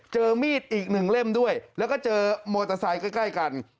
เจอมีดอีกหนึ่งเล่มด้วยแล้วก็เจอมอเตอร์ไซค์ใกล้กัน